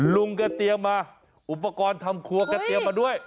ลุงก็เตรียมมาอุปกรณ์ทำครัวก็เตรียมมาด้วย